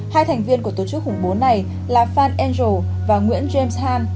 hai thành viên của tổ chức khủng bố này là phan angel và nguyễn james han